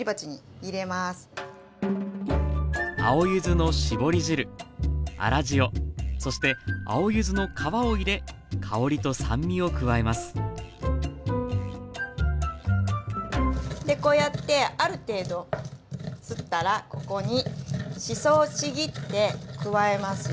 青柚子の搾り汁粗塩そして青柚子の皮を入れ香りと酸味を加えますでこうやってある程度すったらここにしそをちぎって加えますよ。